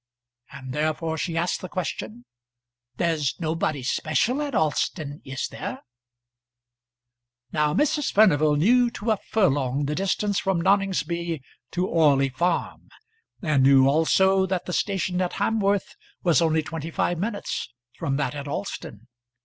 And therefore she asked the question, "There's nobody special at Alston, is there?" Now Mrs. Furnival knew to a furlong the distance from Noningsby to Orley Farm, and knew also that the station at Hamworth was only twenty five minutes from that at Alston.